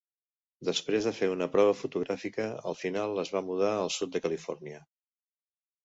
Després de fer una prova fotogràfica, al final es va mudar al sud de Califòrnia.